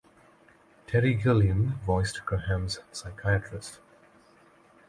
Terry Gilliam voiced Graham's psychiatrist.